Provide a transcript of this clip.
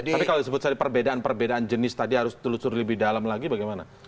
tapi kalau disebut perbedaan perbedaan jenis tadi harus ditelusuri lebih dalam lagi bagaimana